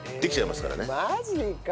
マジか。